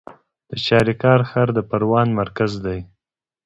د چاریکار ښار د پروان مرکز دی